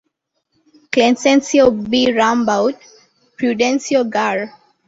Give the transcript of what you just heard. Clesencio B. Rambaud, Prudencio Gar.